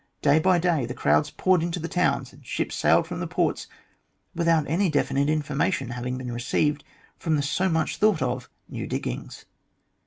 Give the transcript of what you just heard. Day by day the crowds poured into the towns, and ships sailed from the ports, without any definite information having been received from the so much thought of new diggings.